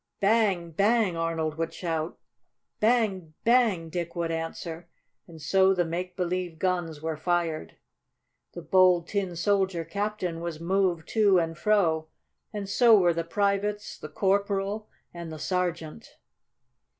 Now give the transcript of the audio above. "Bang! Bang!" Arnold would shout. "Bang! Bang!" Dick would answer, and so the make believe guns were fired. The Bold Tin Soldier Captain was moved to and fro, and so were the privates, the Corporal and the Sergeant.